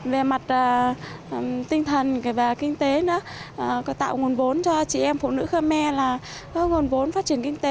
về mặt tinh thần và kinh tế nữa tạo nguồn vốn cho chị em phụ nữ khơ me là nguồn vốn phát triển